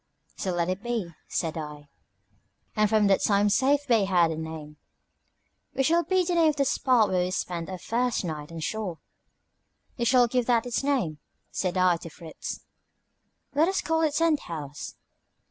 "So let it be," said I; and from that time Safe Bay had a name. "What shall be the name of the spot where we spent our first night on shore? You shall give that its name," said I to Fritz. "Let us call it Tent House."